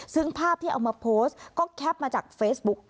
ซึ่งภาพที่เอามาโพสต์ก็แคปมาจากเฟซบุ๊ก